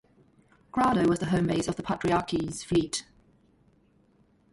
Grado was the home base of the patriarchate's fleet.